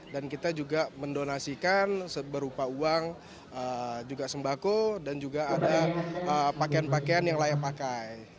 kita juga mendonasikan berupa uang juga sembako dan juga ada pakaian pakaian yang layak pakai